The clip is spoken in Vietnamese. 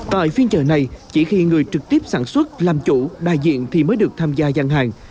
tại phiên chợ này chỉ khi người trực tiếp sản xuất làm chủ đại diện thì mới được tham gia gian hàng